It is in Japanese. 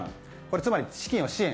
つまり、資金を支援。